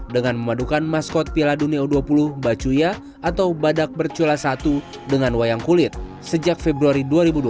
dengan memadukan maskot piala dunia u dua puluh bacuya atau badak bercula satu dengan wayang kulit sejak februari dua ribu dua puluh